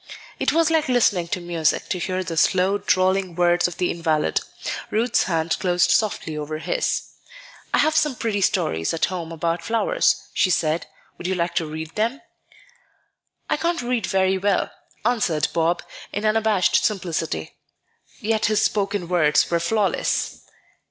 It was like listening to music to hear the slow, drawling words of the invalid. Ruth's hand closed softly over his. "I have some pretty stories at home about flowers," she said; "would you like to read them?" "I can't read very well," answered Bob, in unabashed simplicity. Yet his spoken words were flawless.